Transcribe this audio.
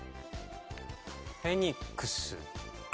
フェニックス。